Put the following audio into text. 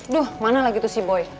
duh mana lagi tuh si boy